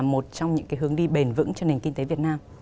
một trong những hướng đi bền vững cho nền kinh tế việt nam